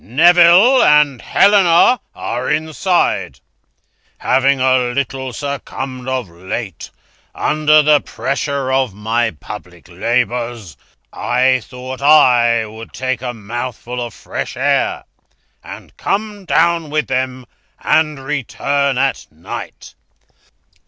Neville and Helena are inside. Having a little succumbed of late, under the pressure of my public labours, I thought I would take a mouthful of fresh air, and come down with them, and return at night.